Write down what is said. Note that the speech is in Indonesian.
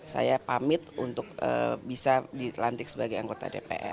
saya pamit untuk bisa dilantik sebagai anggota dpr